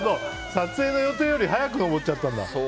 撮影の予定より早く登っちゃったんだ。